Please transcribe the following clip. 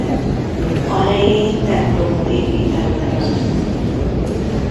A helyén templomot építettek.